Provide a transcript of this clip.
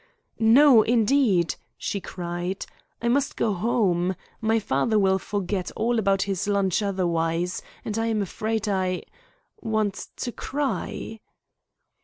"No, indeed," she cried. "I must go home. My father will forget all about his lunch otherwise, and I am afraid I w ant to cry!"